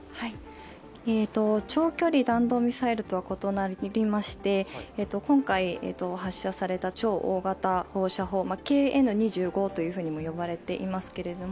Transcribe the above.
長距離弾道ミサイルとは異なりまして、今回発射された超大型放射砲、ＫＮ２５とも呼ばれていますけれども。